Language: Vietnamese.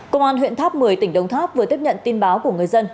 công an huyện tháp một mươi tỉnh đồng tháp vừa tiếp nhận tin báo của người dân